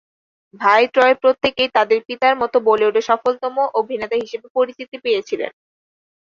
ভাইত্রয় প্রত্যেকেই তাদের পিতার মতো বলিউডে সফলতম অভিনেতা হিসেবে পরিচিতি পেয়েছিলেন।